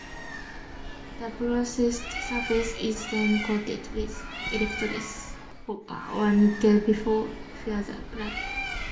The processed surface is then coated with electroless copper or nickel before further plating.